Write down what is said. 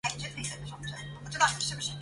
矢尾一树是日本男性声优。